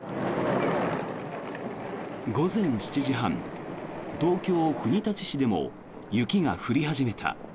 午前７時半、東京・国立市でも雪が降り始めた。